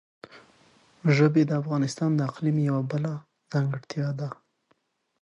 ژبې د افغانستان د اقلیم یوه بله ځانګړتیا ده.